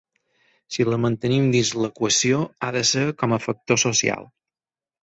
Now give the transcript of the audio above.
Si la mantenim dins l’equació, ha de ser com a factor social.